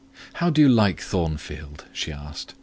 "How do you like Thornfield?" she asked.